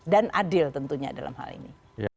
dan adil tentunya dalam hal ini